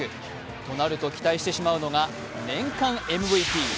となると期待してしまうのが年間ＭＶＰ。